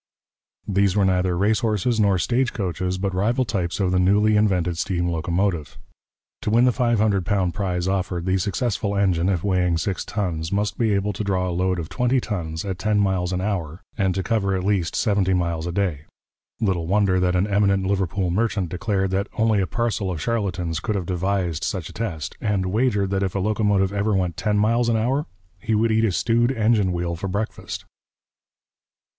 These were neither race horses nor stagecoaches, but rival types of the newly invented steam locomotive. To win the £500 prize offered, the successful engine, if weighing six tons, must be able to draw a load of twenty tons at ten miles an hour, and to cover at least seventy miles a day. Little wonder that an eminent Liverpool merchant declared that only a parcel of charlatans could have devised such a test, and wagered that if a locomotive ever went ten miles an hour, he would eat a stewed engine wheel for breakfast!